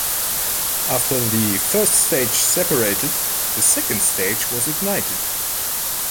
After the first stage separated the second stage was ignited.